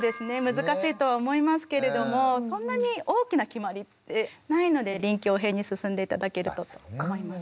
難しいとは思いますけれどもそんなに大きな決まりってないので臨機応変に進んで頂ければと思います。